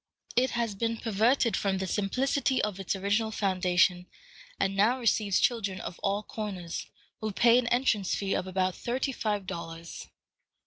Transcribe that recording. It has been perverted from the simplicity of its original foundation, and now receives children of all comers, who pay an entrance fee of about thirty five dollars.